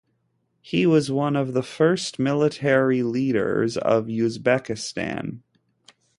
He was one of the first military leaders of Uzbekistan.